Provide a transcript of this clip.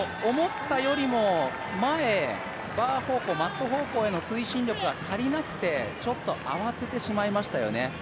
思ったよりも前へ、バー方向、マット方向への推進力が足りなくてちょっと慌ててしまいましたよね。